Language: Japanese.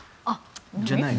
じゃないの？